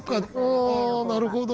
あなるほど。